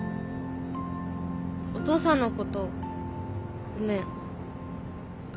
お父さんのことごめん。